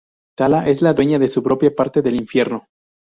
Tala es la dueña de su propia parte del Infierno.